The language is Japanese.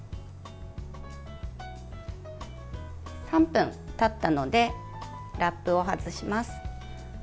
３分たったのでラップを外します。